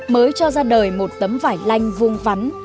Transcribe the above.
mới cho ra đời một tấm vải lanh vuông vắn